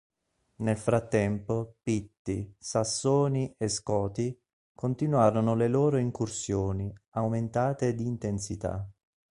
Nel frattempo Pitti, Sassoni e Scoti continuarono le loro incursioni, aumentate di intensità.